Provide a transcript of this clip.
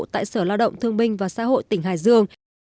tại sở lao động thương binh và xã hội tỉnh hải dương